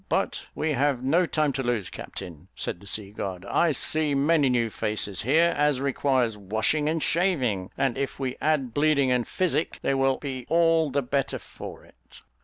But we have no time to lose, captain," said the sea god; "I see many new faces here, as requires washing and shaving; and if we add bleeding and physic, they will be all the better for it."